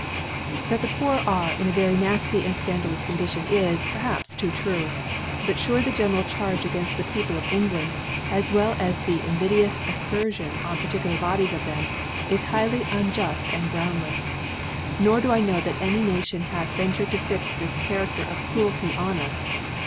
That the Poor ire in a very nafty and fcandalous Condirion is , perhaps, too true ; but fure the general Charge againft the Peo ple of England^ as well as the invidious Afperfion on particular Bodies of them, is highly unjuft and groundlefs. Nor do 1 know chat any Nation hath ventured to fix this Charafter of Cruelty on us.